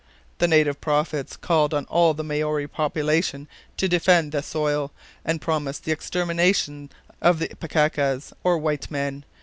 The native prophets called on all the Maori population to defend the soil, and promised the extermination of the pakekas, or white men.